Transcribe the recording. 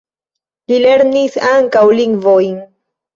Li lernis ankaŭ lingvojn.